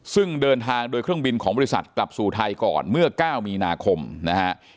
ซึ่งเดินทางโดยเครื่องบินของบริษัทกลับสู่ไทยก่อนเมื่อ๙มีนาคมนะฮะ